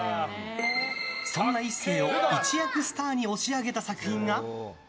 そんな壱成を一躍スターに押し上げた作品が。